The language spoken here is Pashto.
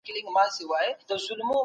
سردار سلطان احمدخان د مکناتن لاس ونیوه.